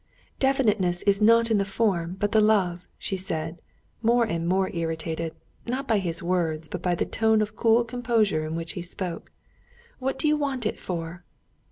"Definiteness is not in the form but the love," she said, more and more irritated, not by his words, but by the tone of cool composure in which he spoke. "What do you want it for?"